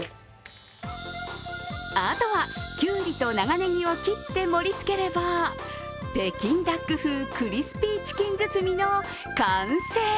あとは、きゅうりと長ねぎを切って盛りつければ北京ダック風クリスピーチキン包みの完成。